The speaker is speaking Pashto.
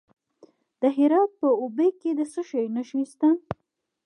د هرات په اوبې کې د څه شي نښې دي؟